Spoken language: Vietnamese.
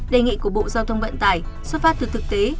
đề nghị của bộ giao thông vận tải xuất phát từ thực tế